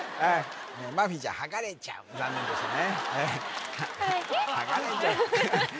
マーフィーちゃんはがれちゃう残念でしたね